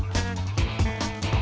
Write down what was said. gak ada apa apa